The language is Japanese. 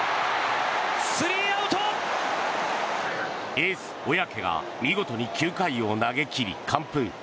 エース、小宅が見事に９回を投げ切り、完封。